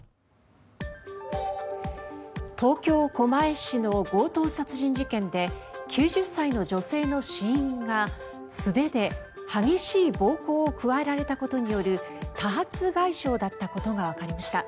東京・狛江市の強盗殺人事件で９０歳の女性の死因が素手で激しい暴行を加えられたことによる多発外傷だったことがわかりました。